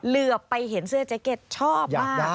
เหลือไปเห็นเสื้อแจ็คเก็ตชอบมาก